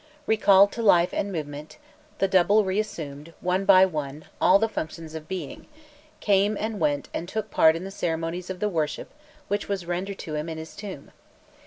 Recalled to life and movement, the double reassumed, one by one, all the functions of being, came and went and took part in the ceremonies of the worship which was rendered to him in his tomb.